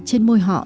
trên môi họ